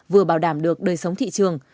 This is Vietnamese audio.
vừa bảo đảm được đời sống thị trường